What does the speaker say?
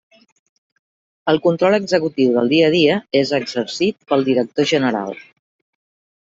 El control executiu del dia a dia és exercit pel Director General.